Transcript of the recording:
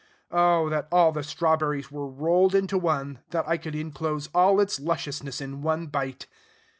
Oh, that all the strawberries were rolled into one, that I could inclose all its lusciousness in one bite!